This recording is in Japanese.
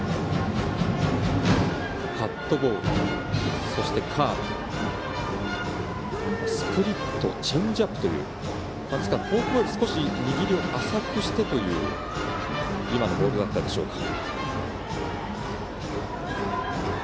カットボールそしてカーブスプリット、チェンジアップという、ですからフォークボール少し握りを浅くしてという今のボールだったでしょうか。